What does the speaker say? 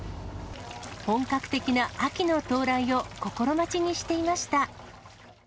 本格的な秋の到来を心待ちにしていました。